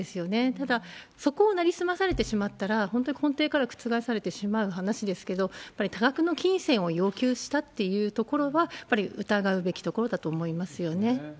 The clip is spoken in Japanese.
ただ、そこを成り済まされてしまったら、本当に根底から覆されてしまう話ですけど、やっぱり多額の金銭を要求したっていうところは、やっぱり疑うべきところだと思いますね。